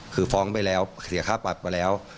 คือฟ้องไปแล้วเสียค่าปรับไปแล้ว